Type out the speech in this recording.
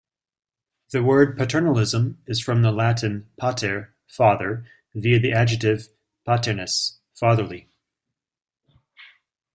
The word paternalism is from the Latin "pater" "father" via the adjective "paternus" "fatherly".